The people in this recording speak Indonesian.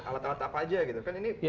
alat alat apa aja gitu